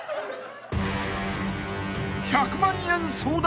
［１００万円争奪！